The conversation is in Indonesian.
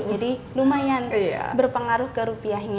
jadi lumayan berpengaruh ke rupiahnya